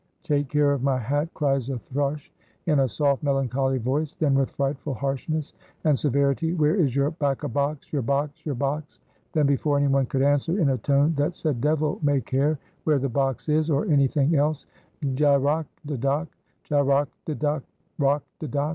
Take care o' my hat! cries a thrush, in a soft, melancholy voice; then with frightful harshness and severity, where is your bacca box! your box! your box! then before any one could answer, in a tone that said devil may care where the box is or anything else, gyroc de doc! gyroc de doc! roc de doc!